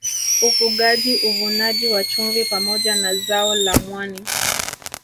Ufugaji Uvunaji wa chumvi pamoja na zao la mwani